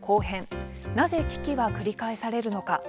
なぜ危機は繰り返されるのか」。